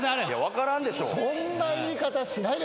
分からんでしょ？